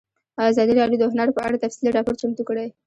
ازادي راډیو د هنر په اړه تفصیلي راپور چمتو کړی.